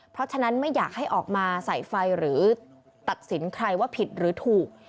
เพราะฉะนั้นไม่อยากให้ออกมาใส่ไฟหรือตัดสินใครว่าผิดหรือถูก